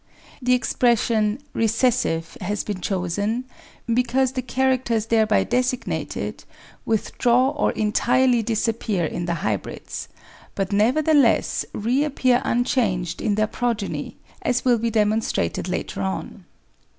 The expression " recessive " has been chosen because the characters thereby designated withdraw or entirely disappear in the hybrids, but nevertheless reappear unchanged in their progeny, as will be demonstrated later on.